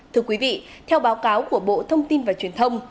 thưa quý vị theo báo cáo của bộ thông tin và truyền thông